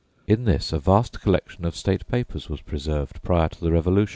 In this a vast collection of State papers was preserved prior to the Revolution.